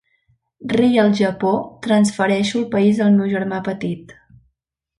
rei al Japó, transfereixo el país al meu germà petit.